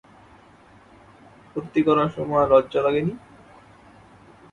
ফূর্তি করার সময় লজ্জা লাগে নি?